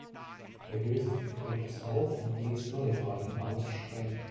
Er löste die Cortes auf und ließ Neuwahlen ausschreiben.